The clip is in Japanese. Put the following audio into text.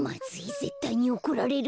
ぜったいにおこられる。